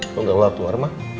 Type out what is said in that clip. kok gak keluar keluar ma